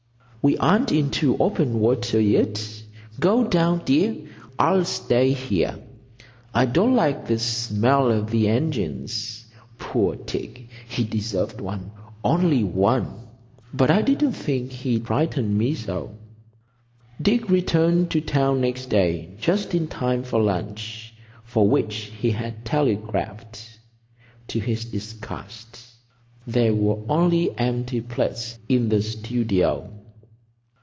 "We aren't into open water yet. Go down, dear, and I'll stay here. I don't like the smell of the engines.... Poor Dick! He deserved one,—only one. But I didn't think he'd frighten me so." Dick returned to town next day just in time for lunch, for which he had telegraphed. To his disgust, there were only empty plates in the studio.